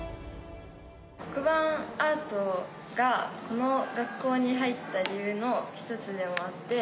黒板アートが、この学校に入った理由の一つでもあって。